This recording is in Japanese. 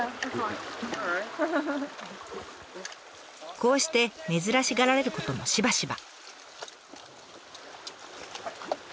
こうして珍しがられることもしばしば。